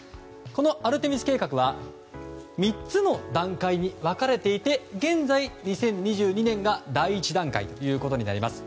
このアルテミス計画は３つの段階に分かれていて現在、２０２２年が第１段階ということになります。